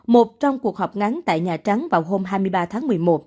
một trong cuộc họp ngắn tại nhà trắng vào hôm hai mươi ba tháng một mươi một